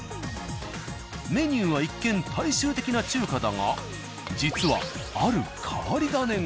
メニューは一見大衆的な中華だが実はある変わり種が。